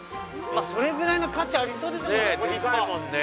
まあそれぐらいの価値ありそうですもんね。